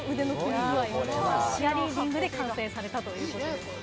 チアリーディングで完成されたということです。